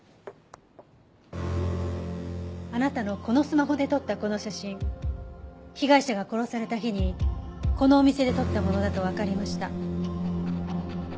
あなたのこのスマホで撮ったこの写真被害者が殺された日にこのお店で撮ったものだとわかりました。